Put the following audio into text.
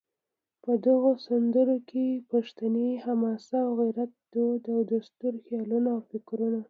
په دغو سندرو کې پښتني حماسه او غیرت، دود او دستور، خیالونه او فکرونه